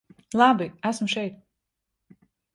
Labi, esmu šeit.